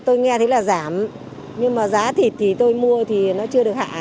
tôi nghe thấy là giảm nhưng mà giá thịt thì tôi mua thì nó chưa được hạ